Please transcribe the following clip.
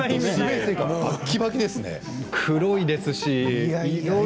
黒ですし。